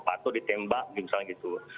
atau ditembak misalnya gitu